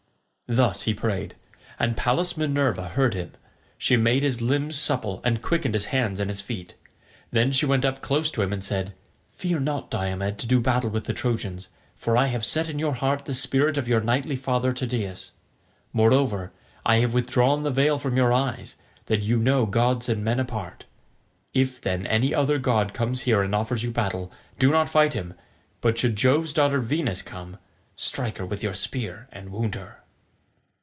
Thus he prayed, and Pallas Minerva heard him; she made his limbs supple and quickened his hands and his feet. Then she went up close to him and said, "Fear not, Diomed, to do battle with the Trojans, for I have set in your heart the spirit of your knightly father Tydeus. Moreover, I have withdrawn the veil from your eyes, that you know gods and men apart. If, then, any other god comes here and offers you battle, do not fight him; but should Jove's daughter Venus come, strike her with your spear and wound her."